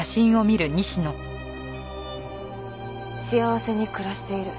幸せに暮らしている。